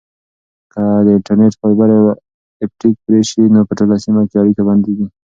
که د انټرنیټ فایبر اپټیک پرې شي نو په ټوله سیمه کې اړیکه بندیږي.